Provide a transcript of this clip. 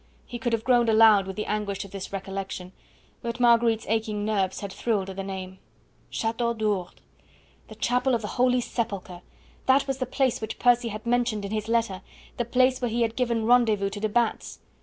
He could have groaned aloud with the anguish of this recollection. But Marguerite's aching nerves had thrilled at the name. The Chateau d'Ourde! The Chapel of the Holy Sepulchre! That was the place which Percy had mentioned in his letter, the place where he had given rendezvous to de Batz.